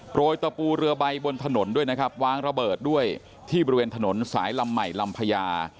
ยตะปูเรือใบบนถนนด้วยนะครับวางระเบิดด้วยที่บริเวณถนนสายลำใหม่ลำพญา